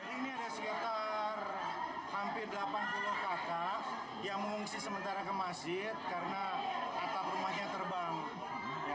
ini ada sekitar hampir delapan puluh kakak yang mengungsi sementara ke masjid karena atap rumahnya terbang